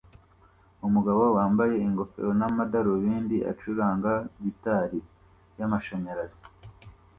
Umugabo wambaye ingofero n'amadarubindi acuranga gitari y'amashanyarazi